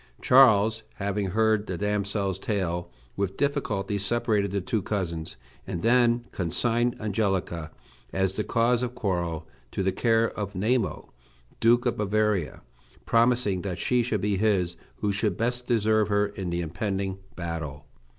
Charles having heard the damsel's tale, with difficulty separated the two cousins, and then consigned Angelica, as the cause of quarrel, to the care of Namo, Duke of Bavaria, promising that she should be his who should best deserve her in the impending battle.